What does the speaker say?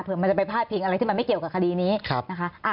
เพื่อมันจะไปพาดพิงอะไรที่มันไม่เกี่ยวกับคดีนี้นะคะ